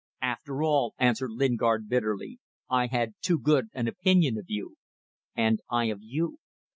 "After all," answered Lingard, bitterly, "I had too good an opinion of you." "And I of you.